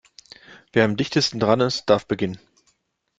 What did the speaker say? Wer am dichtesten dran ist, darf beginnen.